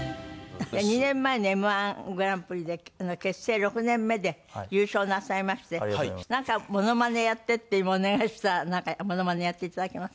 ２年前のＭ−１グランプリで結成６年目で優勝なさいましてなんかモノマネやってって今お願いしたらなんかモノマネやって頂けます？